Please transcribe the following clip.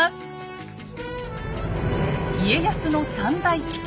家康の３大危機。